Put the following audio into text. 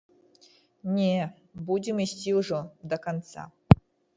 Не, будзем ісці ўжо да канца.